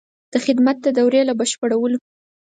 د خدمت د دورې له بشپړولو.